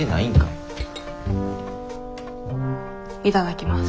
いただきます。